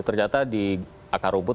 ternyata di akar rumput